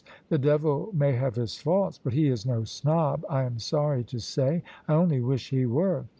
The devil may have his faults, but he is no snob, I am sorry to say. I only wish he were!